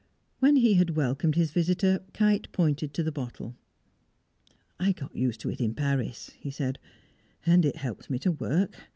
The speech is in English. When he had welcomed his visitor, Kite pointed to the bottle. "I got used to it in Paris," he said, "and it helps me to work.